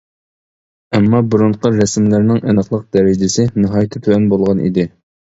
ئەمما بۇرۇنقى رەسىملەرنىڭ ئېنىقلىق دەرىجىسى ناھايىتى تۆۋەن بولغان ئىدى.